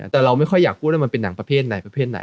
แต่เราไม่ค่อยอยากพูดว่ามันเป็นหนังประเภทไหนประเภทไหน